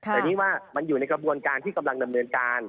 แต่นี่ว่ามันอยู่ในกระบวนการที่กำลังดำเนินการ